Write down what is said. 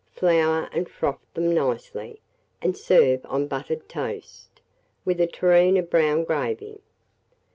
Flour and froth them nicely, and serve on buttered toast, with a tureen of brown gravy.